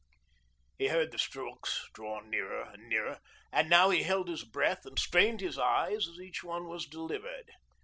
He heard the strokes draw nearer and nearer, and now he held his breath and strained his eyes as each one was delivered.